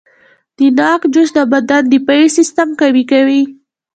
د ناک جوس د بدن دفاعي سیستم قوي کوي.